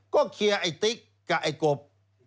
ก็เคลียร์ไอ้ติ๊กกับไอ้กบ